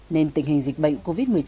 nên tình hình dịch bệnh covid một mươi chín